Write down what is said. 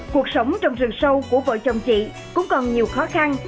cuộc sống trong rừng sâu của vợ chồng chị cũng còn nhiều khó khăn